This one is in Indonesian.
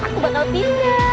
aku bakal tindak